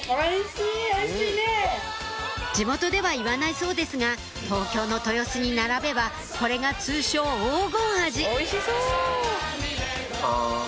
地元では言わないそうですが東京の豊洲に並べばこれが通称「黄金アジ」おいしそう！